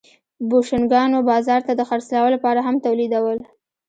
بوشونګانو بازار ته د خرڅلاو لپاره هم تولیدول